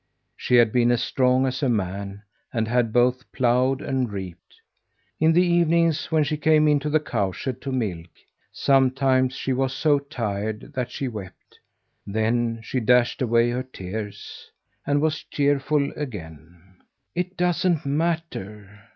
She had been as strong as a man, and had both ploughed and reaped. In the evenings, when she came into the cowshed to milk, sometimes she was so tired that she wept. Then she dashed away her tears, and was cheerful again. "It doesn't matter.